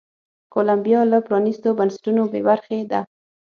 کولمبیا له پرانیستو بنسټونو بې برخې ده.